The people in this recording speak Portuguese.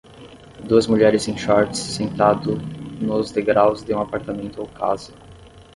Duas mulheres em shorts sentado nos degraus de um apartamento ou casa.